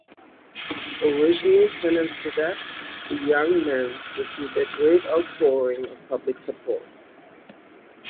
Originally sentenced to death, the young men received a great outpouring of public support.